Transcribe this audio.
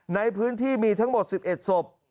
ในพื้นที่มีทั้งหมด๑๑ศพ